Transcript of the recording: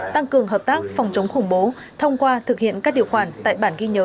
tăng cường hợp tác phòng chống khủng bố thông qua thực hiện các điều khoản tại bản ghi nhớ